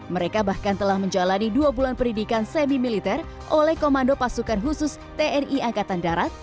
mereka bahkan telah menjalani dua bulan pendidikan semi militer oleh komando pasukan khusus tni angkatan darat